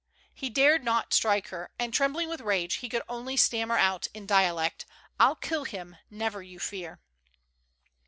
He dared not strike her, and, trembling with rage, he could only stammer out in dialect :" I'll kill him, never you fear